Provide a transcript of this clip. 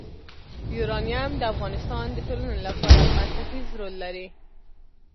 یورانیم د افغانستان د ټولنې لپاره بنسټيز رول لري.